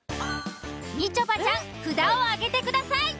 みちょぱちゃん札を挙げてください。